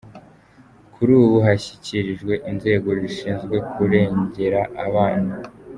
Kuri ubu bashyikirijwe inzego zishinzwe kurengera abaan.